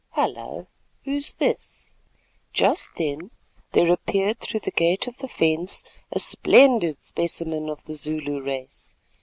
Hullo! who's this?" Just then there appeared through the gate of the fence a splendid specimen of the Zulu race.